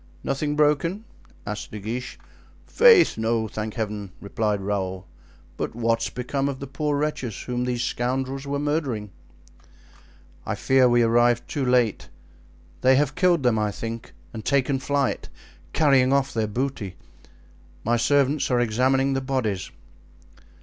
"Nothing broken?" asked De Guiche. "Faith, no, thank Heaven!" replied Raoul; "but what has become of the poor wretches whom these scoundrels were murdering?" "I fear we arrived too late. They have killed them, I think, and taken flight, carrying off their booty. My servants are examining the bodies."